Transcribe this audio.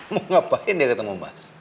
mau ngapain dia ketemu mbak